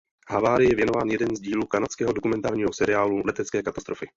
Havárii je věnován jeden z dílů kanadského dokumentárního seriálu "Letecké katastrofy".